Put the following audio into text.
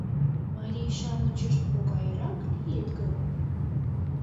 Марий-шамычышт могайрак лийыт гын?